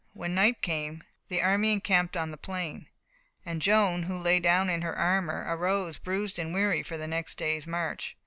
When night came, the army encamped on the plain, and Joan, who lay down in her armour, arose bruised and weary for the next day's march.